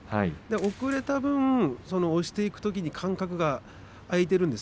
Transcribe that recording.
遅れた分、押していくときに間隔が空いているんです。